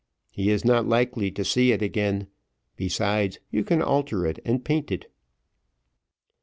He is not likely to see it again. Besides, you can alter it, and paint it."